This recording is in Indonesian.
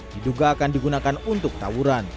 diduga akan digunakan untuk tawuran